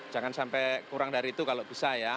jangan sampai kurang dari itu kalau bisa ya